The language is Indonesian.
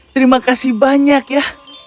terima kasih banyak ya